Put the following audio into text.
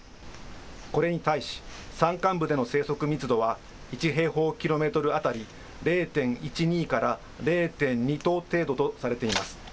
これに対し、山間部での生息密度は、１平方キロメートル当たり０．１２から０．２頭程度とされています。